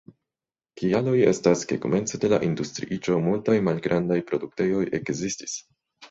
Kialoj estas, ke komence de la industriiĝo multaj malgrandaj produktejoj ekzistis.